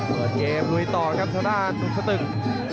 เปิดเกมลุยต่อครับทางด้านหนุ่มสตึก